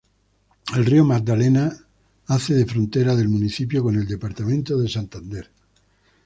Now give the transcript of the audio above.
El río Magdalena hace de frontera del municipio con el departamento de Santander.